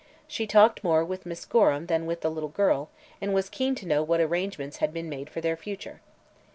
She talked more with Miss Gorham than with the little girl and was keen to know what arrangements had been made for their future.